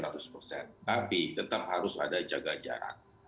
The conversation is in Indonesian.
tapi tetap harus ada jaga jarak